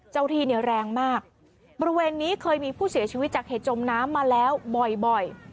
ที่เนี่ยแรงมากบริเวณนี้เคยมีผู้เสียชีวิตจากเหตุจมน้ำมาแล้วบ่อย